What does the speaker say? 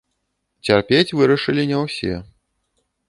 Цярпець вырашылі не ўсе.